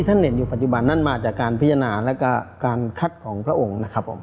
ท่านเห็นอยู่ปัจจุบันนั้นมาจากการพิจารณาแล้วก็การคัดของพระองค์นะครับผม